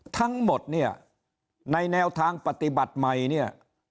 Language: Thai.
ทั้งหมดเนี่ยในแนวทางปฏิบัติใหม่เนี่ย